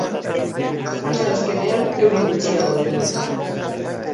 Asteazkenean euri gutxiago egingo du.